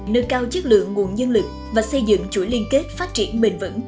nâng cao chất lượng nguồn nhân lực và xây dựng chuỗi liên kết phát triển bền vững